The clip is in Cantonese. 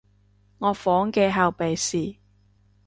我房嘅後備匙